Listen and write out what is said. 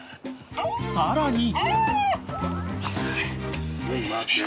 ［さらに］